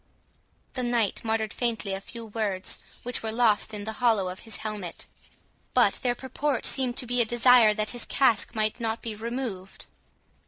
The knight muttered faintly a few words, which were lost in the hollow of his helmet, but their purport seemed to be a desire that his casque might not be removed.